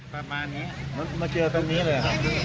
กลับมาตรงนี้มาเจอตรงนี้เลยครับ